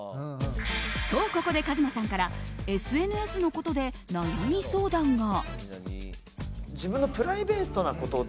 と、ここでＫＡＺＭＡさんからＳＮＳのことで悩み相談が。